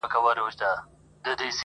شمع كوچ سوه د محفل له ماښامونو!